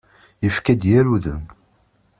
Yefka-d yir udem.